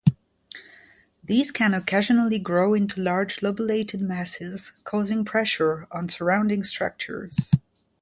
These can occasionally grow into large lobulated masses causing pressure on surrounding structures.